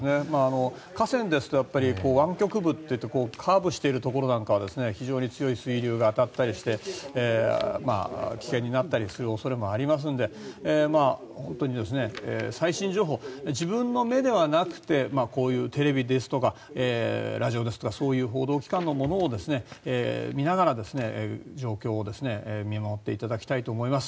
河川ですと湾曲部というとカーブしているところなんかは非常に強い水流が当たったりして危険になったりする恐れもありますので本当に最新情報を自分の目ではなくてこういうテレビですとかラジオですとか、そういう報道機関のものを見ながら状況を見守っていただきたいと思います。